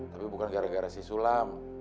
tapi bukan gara gara si sulam